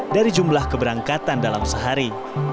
dari jumlah keberangkatan dalam sehari